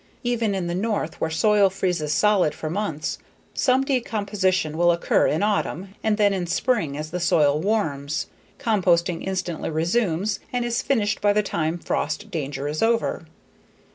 Even in the North where soil freezes solid for months, some decomposition will occur in autumn and then in spring, as the soil warms, composting instantly resumes and is finished by the time frost danger is over.